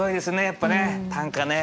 やっぱね短歌ね。